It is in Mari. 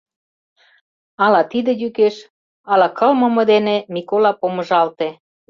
Ала тиде йӱкеш, ала кылмыме дене Микола помыжалте.